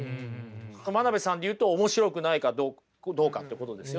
真鍋さんで言うと面白くないかどうかってことですよね。